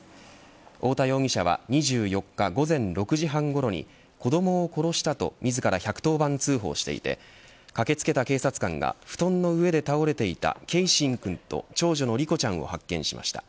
太田容疑者は２４日午前６時半ごろに子どもを殺したと自ら１１０番通報していて駆け付けた警察官が布団の上で倒れていた継真くんと長女の梨心ちゃんを発見しました。